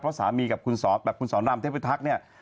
เพราะสามีกับคุณสองแบบคุณสอนรามเทพธักษ์เนี้ย